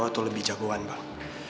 atau lebih jagoan bang